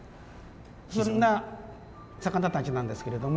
そんな魚たちなんですけれども。